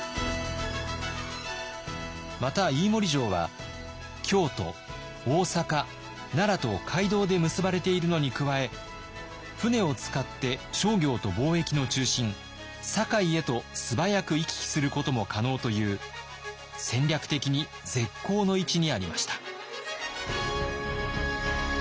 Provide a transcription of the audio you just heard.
また飯盛城は京都大坂奈良と街道で結ばれているのに加え船を使って商業と貿易の中心堺へと素早く行き来することも可能という戦略的に絶好の位置にありました。